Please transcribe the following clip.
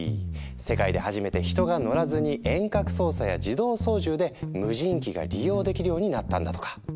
世界で初めて人が乗らずに遠隔操作や自動操縦で無人機が利用できるようになったんだとか。